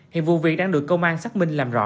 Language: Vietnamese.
hiện vụ việc đang được công an xác minh làm rõ